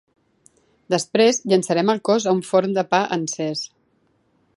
Després, llençaren el cos a un forn de pa encès.